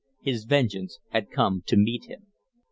His vengeance had come to meet him.